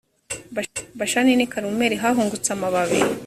bashani n i karumeli hahungutse amababi